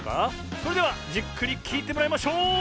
それではじっくりきいてもらいましょう！